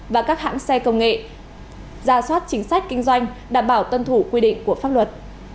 và các hãng xe công nghệ ra soát chính sách kinh doanh đảm bảo tuân thủ quy định của pháp luật